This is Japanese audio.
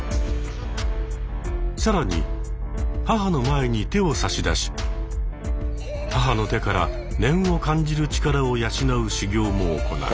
更に母の前に手を差し出し母の手から念を感じる力を養う修行も行う。